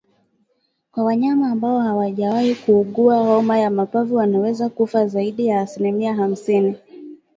Kwa wanyama ambao hawajawahi kuugua homa ya mapafu wanaweza kufa zaidi ya asilimia hamsini